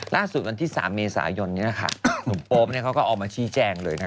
ล่าสุดวันที่๓เมษายนนุ่มโป๊ปเขาก็ออกมาชี้แจ้งเลย